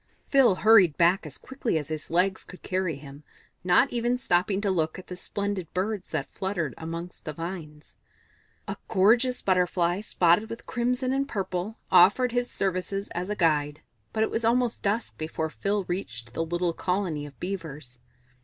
Phil hurried back as quickly as his legs could carry him, not even stopping to look at the splendid Birds that fluttered amongst the vines. A gorgeous Butterfly, spotted with crimson and purple, offered his services as a guide, but it was almost dusk before Phil reached the little colony of Beavers.